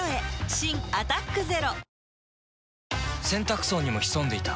新「アタックＺＥＲＯ」洗濯槽にも潜んでいた。